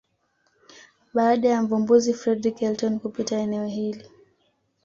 Baada ya Mvumbuzi Fredrick Elton kupita eneo hili